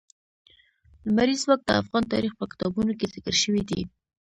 لمریز ځواک د افغان تاریخ په کتابونو کې ذکر شوی دي.